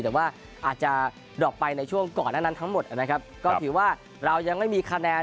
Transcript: แต่ว่าอาจจะดรอกไปในช่วงก่อนหน้านั้นทั้งหมดนะครับก็ถือว่าเรายังไม่มีคะแนน